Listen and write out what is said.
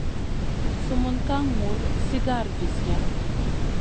Sumun ka ŋur sigara visia.